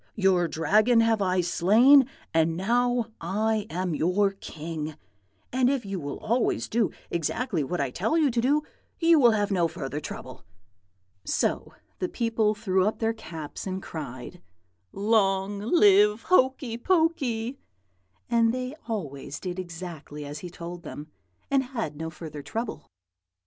Your Dragon have I slain, and now I am your king; and if you will always do exactly what I tell you to do, you will have no further trouble.' "So the people threw up their caps and cried, 'Long live Hokey Pokey!' and they always did exactly as he told them, and had no further trouble.